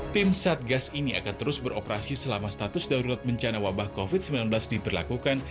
tim satgas ini akan terus beroperasi selama status darurat bencana wabah covid sembilan belas diberlakukan